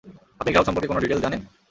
আপনি গ্রাহক সম্পর্কে কোন ডিটেইলস জানেন?